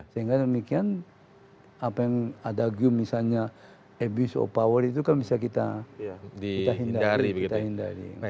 sehingga demikian apa yang ada misalnya abuse of power itu kan bisa kita hindari